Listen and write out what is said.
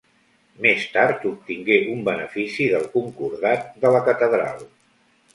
Més tard obtingué un benefici del concordat de la catedral.